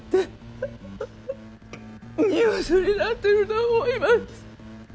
ニュースになってると思います。